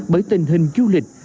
bởi tình hình du lịch